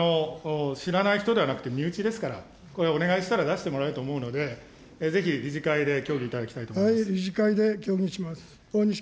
知らない人ではなくて、身内ですから、これ、お願いしたら出してもらえると思うので、ぜひ理事会で協議いただ理事会で協議します。